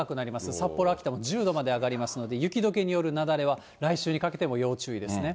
札幌、秋田も１０度まで上がりますので、雪どけによる雪崩は来週にかけても要注意ですね。